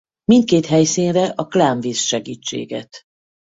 Mindkét helyszínre a Klán visz segítséget.